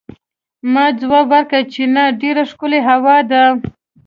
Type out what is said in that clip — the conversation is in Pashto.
ما ځواب ورکړ چې نه، ډېره ښکلې هوا ده.